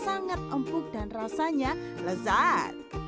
sangat empuk dan rasanya lezat